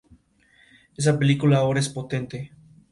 Esa película ahora es potente.